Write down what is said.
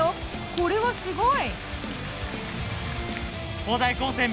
これはすごい！